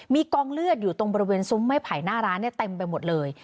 มีกองเลือดอยู่ตรงบริเวณซุ้มไม่ไผ่หน้าร้านเต็มไปหมดเลย